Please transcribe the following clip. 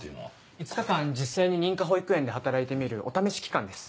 ５日間実際に認可保育園で働いてみるお試し期間です。